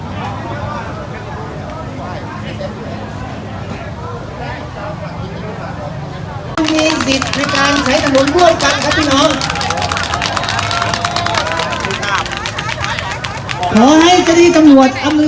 บรรยาของชุดสงสัตย์